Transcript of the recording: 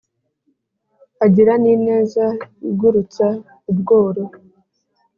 Agira n'ineza igurutsa ubworo